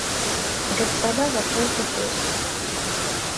Господа закройте дверь.